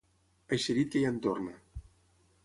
Eixerit que ja en torna.